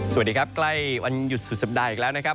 สวัสดีครับใกล้วันหยุดสุดสัปดาห์อีกแล้วนะครับ